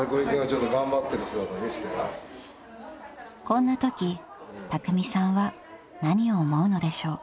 ［こんなときたくみさんは何を思うのでしょう？］